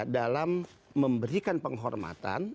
dalam memberikan penghormatan